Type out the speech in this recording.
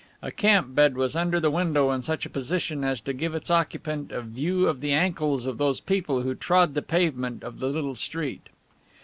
A camp bed was under the window in such a position as to give its occupant a view of the ankles of those people who trod the pavement of the little street.